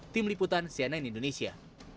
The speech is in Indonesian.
tim liputan cnn indonesia